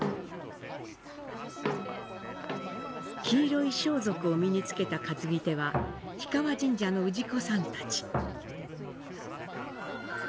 黄色い装束を身につけた担ぎ手は、氷川神社の氏子さんたち。